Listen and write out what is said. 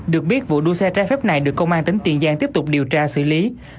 được biết vụ đua xe trái phép này được công an tỉnh tiền giang tiếp tục điều tra xử lý